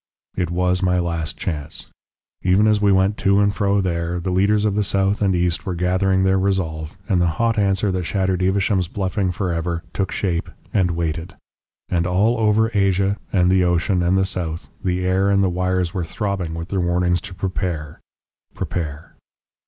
"It was my last chance. Even as we went to and fro there, the leaders of the south and east were gathering their resolve, and the hot answer that shattered Evesham's bluffing for ever, took shape and waited. And all over Asia, and the ocean, and the south, the air and the wires were throbbing with their warnings to prepare prepare.